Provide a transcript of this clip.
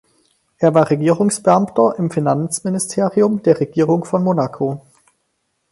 Er war Regierungsbeamter im Finanzministerium der Regierung von Monaco.